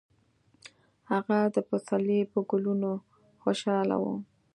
هغه د پسرلي په ګلونو خوشحاله و.